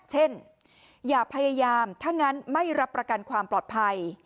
อย่าพยายามถ้างั้นไม่รับประกันความปลอดภัย